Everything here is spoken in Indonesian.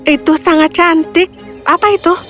itu sangat cantik apa itu